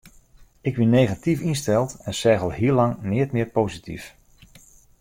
Ik wie negatyf ynsteld en seach al heel lang neat mear posityf.